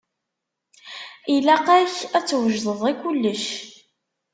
Ilaq-ak ad twejdeḍ i kullec.